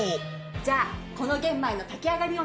じゃあこの玄米の炊き上がりを見て。